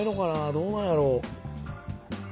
どうなんやろ？